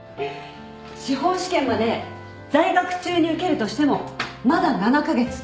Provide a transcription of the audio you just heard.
司法試験まで在学中に受けるとしてもまだ７カ月。